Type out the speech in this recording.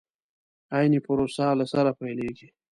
عين پروسه له سره پيلېږي.